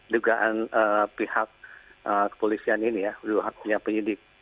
dugaan pihak kepolisian ini ya dua hak punya penyidik